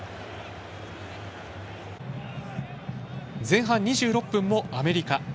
前半２６分も、アメリカ。